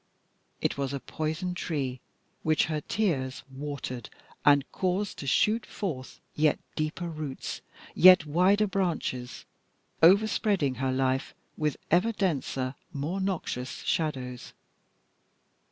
It was a poison tree which her tears watered and caused to shoot forth yet deeper roots, yet wider branches, overspreading her life with ever denser, more noxious shadows.